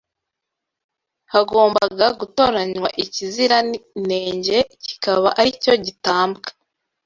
Hagombaga gutoranywa ikizira inenge kikaba ari cyo gitambwa.